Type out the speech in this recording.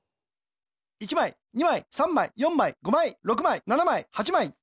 １まい２まい３まい４まい５まい６まい７まい８まい。